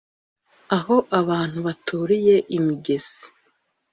aho abantu baturiye imigezi